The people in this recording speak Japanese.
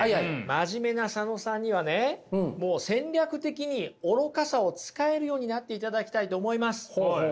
真面目な佐野さんにはねもう戦略的に愚かさを使えるようになっていただきたいと思います。